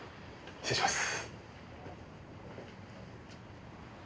失礼します。